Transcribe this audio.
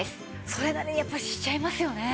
それなりにしちゃいますよね。